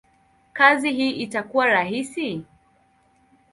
kazi hii itakuwa rahisi?